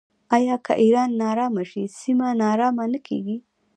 آیا که ایران ناارامه شي سیمه ناارامه نه کیږي؟